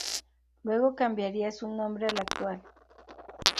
Luego cambiaría su nombre al actual.